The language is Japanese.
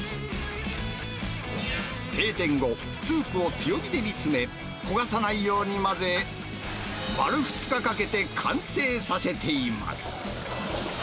閉店後、スープを強火で煮詰め、焦がさないように混ぜ、丸２日かけて完成させています。